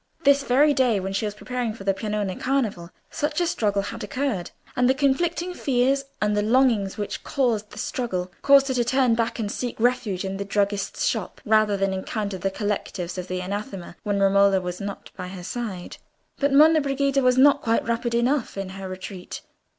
This very day, when she was preparing for the Piagnone Carnival, such a struggle had occurred, and the conflicting fears and longings which caused the struggle, caused her to turn back and seek refuge in the druggist's shop rather than encounter the collectors of the Anathema when Romola was not by her side. But Monna Brigida was not quite rapid enough in her retreat.